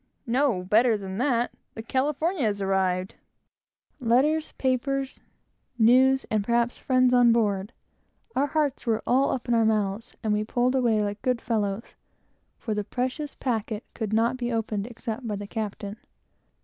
"No; better than that. The California has arrived." Letters, papers, news, and, perhaps, friends, on board! Our hearts were all up in our mouths, and we pulled away like good fellows; for the precious packet could not be opened except by the captain.